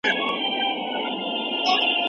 د باګرام هواکړه ښاده